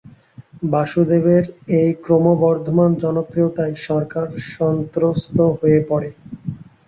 বাসুদেবের এই ক্রমবর্ধমান জনপ্রিয়তায় সরকার সন্ত্রস্ত হয়ে পড়ে।